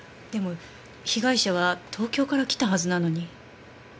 でも被害者は東京から来たはずなのに。